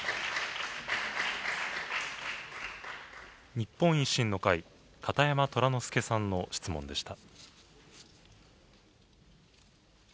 日本維新の会、片山虎之助さんの質問でした。